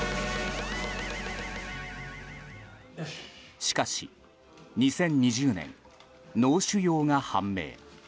しかし、２０２０年脳腫瘍が判明。